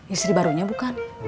istri barunya bukan